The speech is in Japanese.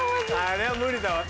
あれは無理だわ。